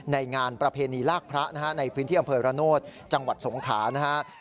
งานประเพณีลากพระนะฮะในพื้นที่อำเภอระโนธจังหวัดสงขานะครับ